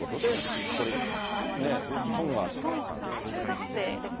今、ピョンさんからもありました、ソンアさん、中学生ですね。